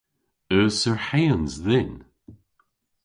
Eus surheans dhyn?